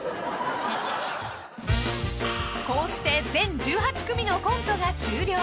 ［こうして全１８組のコントが終了］